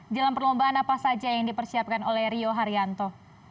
jelang perlombaan apa saja yang dipersiapkan oleh rio haryanto